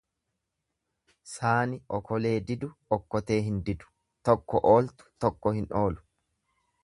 Saani okolee diddu okkotee hin diddu, Tokko ooltu tokko hin ooltu..